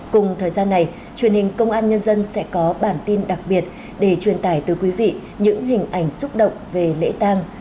cùng thời gian này truyền hình công an nhân dân sẽ có bản tin đặc biệt để truyền tải tới quý vị những hình ảnh xúc động về lễ tàng